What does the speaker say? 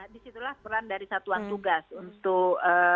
disitulah peran dari satuan tugas untuk